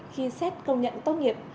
khi xét công nhận tốt nghiệp